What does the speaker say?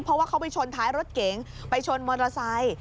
เพราะว่าเขาไปชนท้ายรถเก๋งไปชนมอเตอร์ไซค์